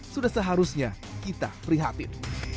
sudah seharusnya kita prihatin